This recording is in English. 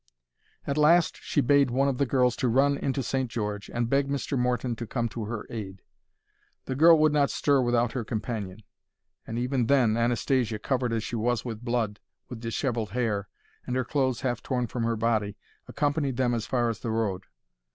At last she bade one of the girls to run into St. George, and beg Mr. Morton to come to her aid. The girl would not stir without her companion; and even then, Anastasia, covered as she was with blood, with dishevelled hair, and her clothes half torn from her body, accompanied them as far as the road.